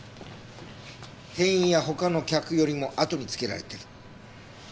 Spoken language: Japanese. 店員や他の客よりも後に付けられてる。